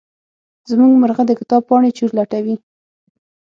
زمونږ مرغه د کتاب پاڼې چورلټوي.